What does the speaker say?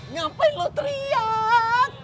ngapain lu teriak